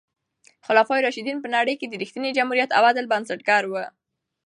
خلفای راشدین په نړۍ کې د رښتیني جمهوریت او عدل بنسټګر وو.